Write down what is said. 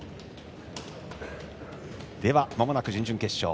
では、まもなく準々決勝。